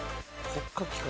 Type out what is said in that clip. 国家機関。